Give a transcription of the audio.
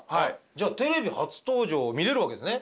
じゃあテレビ初登場を見れるわけですね？